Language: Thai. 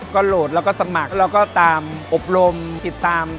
ก็โหลดแล้วก็สมัครแล้วก็ตามอบรมติดตาม